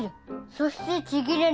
そしてちぎれぬ。